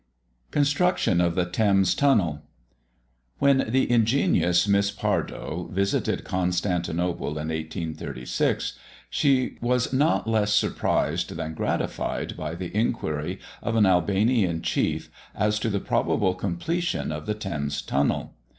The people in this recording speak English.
CONSTRUCTION OF THE THAMES TUNNEL. When the ingenious Miss Pardoe visited Constantinople in 1836, she was not less surprised than gratified by the inquiry of an Albanian chief, as to the probable completion of the Thames tunnel.